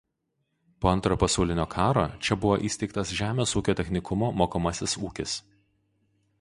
Po Antrojo pasaulinio karo čia buvo įsteigtas žemės ūkio technikumo mokomasis ūkis.